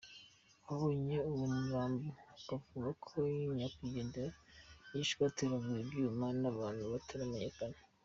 Ababonye uwo murambo bavuga ko nyakwigendera yishwe ateraguwe ibyuma n’ abantu bataramenyekana.